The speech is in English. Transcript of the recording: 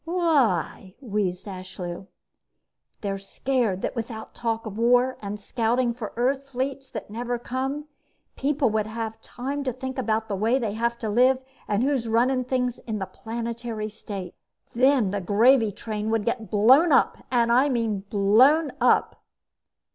"Why?" wheezed Ashlew. "They're scared that without talk of war, and scouting for Earth fleets that never come, people would have time to think about the way they have to live and who's running things in the Planetary State. Then the gravy train would get blown up and I mean blown up!"